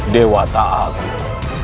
dewa tak agung